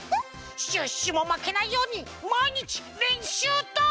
シュッシュもまけないようにまいにちれんしゅうだ！